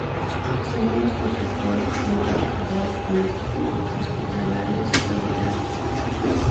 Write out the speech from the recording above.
Son buenos constructores, muy trabajadores, honestos, hospitalarios y solidarios.